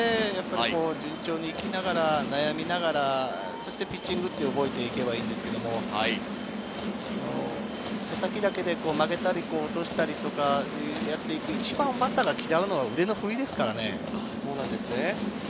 順調にいきながら悩みながら、そしてピッチングで覚えていけばいいんですけれど、手先だけで投げたりとか落としたりとか、１番バッターが嫌うのは腕の振りですからね。